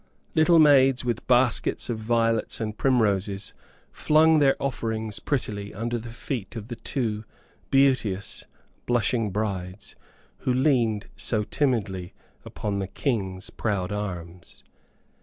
Little maids, with baskets of violets and primroses, flung their offerings prettily under the feet of the two beauteous blushing brides, who leaned so timidly upon the King's proud arms.